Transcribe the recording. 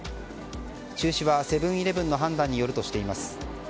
中止はセブン‐イレブンの判断によるとしています。